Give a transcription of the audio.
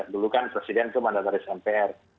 dulu kan presiden itu mandataris mpr